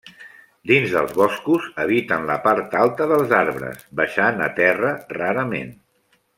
Dins dels boscos, habiten la part alta dels arbres, baixant a terra rarament.